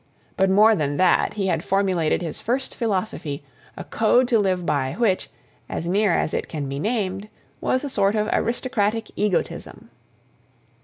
But more than that, he had formulated his first philosophy, a code to live by, which, as near as it can be named, was a sort of aristocratic egotism.